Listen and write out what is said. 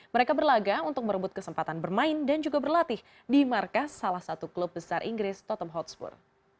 mereka berlaga untuk merebut kesempatan bermain dan juga berlatih di markas salah satu klub besar inggris totem hotspur